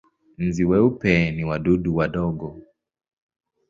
Nzi weupe ni wadudu wadogo.